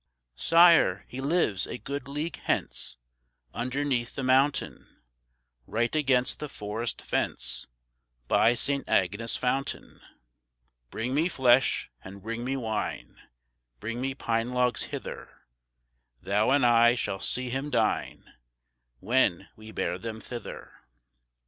"Sire, he lives a good league hence, Underneath the mountain; Right against the forest fence, By Saint Agnes' fountain." "Bring me flesh, and bring me wine, Bring me pine logs hither; Thou and I shall see him dine, When we bear them thither."